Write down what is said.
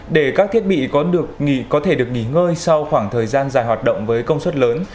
để các thiết bị có thể được nghỉ ngơi sau khoảng thời gian dài hoạt động với công suất lớn